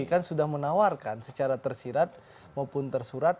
kan sudah menawarkan secara tersirat maupun tersurat